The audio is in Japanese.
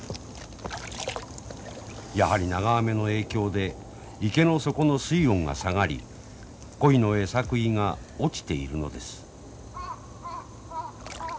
やはり長雨の影響で池の底の水温が下がり鯉の餌食いが落ちているのです。